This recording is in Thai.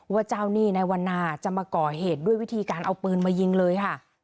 เจ้าหนี้ในวันนาจะมาก่อเหตุด้วยวิธีการเอาปืนมายิงเลยค่ะ